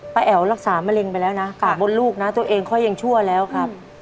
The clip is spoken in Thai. แอ๋วรักษามะเร็งไปแล้วนะปากบนลูกนะตัวเองค่อยยังชั่วแล้วครับ